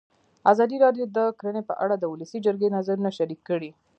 ازادي راډیو د کرهنه په اړه د ولسي جرګې نظرونه شریک کړي.